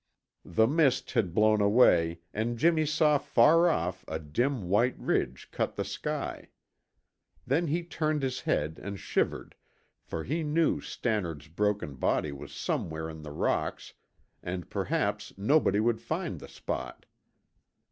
The mist had blown away, and Jimmy saw far off a dim white ridge cut the sky. Then he turned his head and shivered, for he knew Stannard's broken body was somewhere in the rocks and perhaps nobody would find the spot.